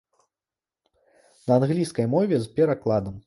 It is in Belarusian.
На англійскай мове з перакладам.